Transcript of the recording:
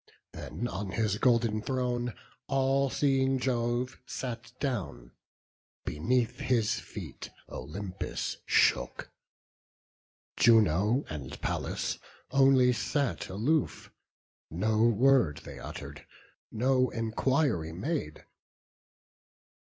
Then on his golden throne all seeing Jove Sat down; beneath his feet Olympus shook. Juno and Pallas only sat aloof; No word they utter'd, no enquiry made.